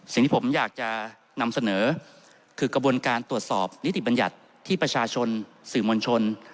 สิ่งที่ผมอยากจะนำเสนอคือกระบวนการตรวจสอบนิติบัญญัติที่ประชาชนสื่อมวลชน